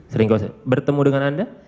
sering ke australia bertemu dengan anda